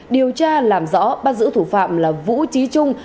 điều tra làm rõ bắt giữ thủ phạm là vũ trí trung